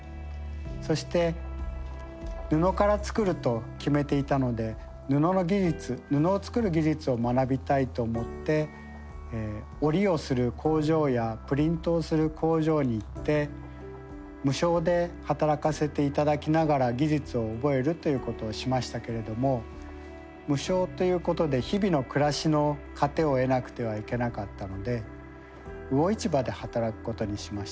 そして布から作ると決めていたので布の技術布を作る技術を学びたいと思って織りをする工場やプリントをする工場に行って無償で働かせて頂きながら技術を覚えるということをしましたけれども無償ということで日々の暮らしの糧を得なくてはいけなかったので魚市場で働くことにしました。